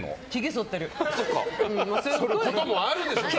そういうこともあるでしょ。